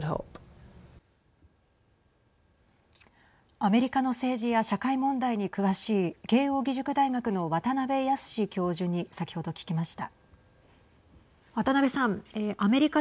アメリカの政治や社会問題に詳しい慶應義塾大学の渡辺靖教授に先ほど聞きました。